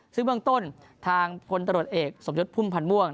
ซึ่งเบื้องต้นทางพลตรวจเอกสมยศพุ่มพันธ์ม่วง